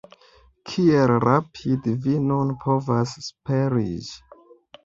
Kiel rapide vi nun povas superiĝi!